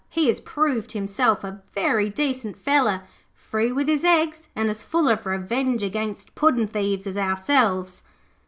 He has proved himself a very decent feller, free with his eggs, and as full of revenge against puddin' thieves as ourselves.'